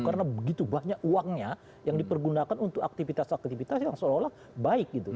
karena begitu banyak uangnya yang dipergunakan untuk aktivitas aktivitas yang seolah olah baik gitu